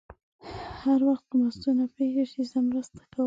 هر وخت کومه ستونزه پېښ شي، زه مرسته کوم.